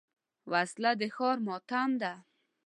وسله د ښار ماتم ده